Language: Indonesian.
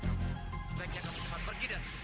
jika kamu cepat pergi dari sini